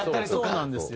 そうなんですよ。